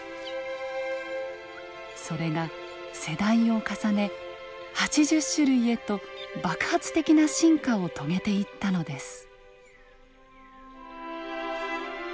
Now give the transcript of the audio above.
それが世代を重ね８０種類へと爆発的な進化を遂げていったのです。